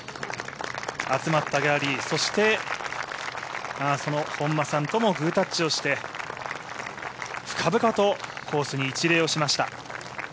集まったギャラリーそしてその本間さんとも握手をして深々とコースに一礼をしました。